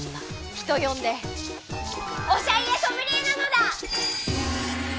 人呼んでおしゃ家ソムリエなのだ！